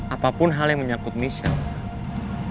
apapun hal yang menyangkut michelle